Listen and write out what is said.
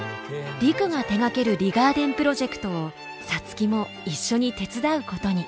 陸が手がけるリガーデンプロジェクトを皐月も一緒に手伝うことに。